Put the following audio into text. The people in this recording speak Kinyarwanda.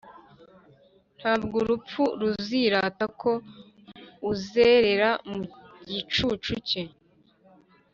ntabwo urupfu ruzirata ko uzerera mu gicucu cye,